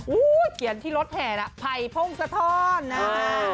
อู้วเขียนที่รถแผ่นอ่ะไผ่พ่งสะท้อนนะครับ